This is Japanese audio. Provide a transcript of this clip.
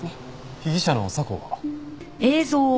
被疑者の佐向は？